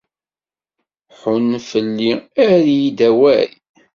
Ḥunn fell-i, err-iyi-d awal.